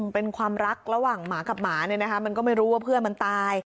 เป็นความรักระหว่างหมากับหมาเนี่ยนะคะมันก็ไม่รู้ว่าเพื่อนมันตาย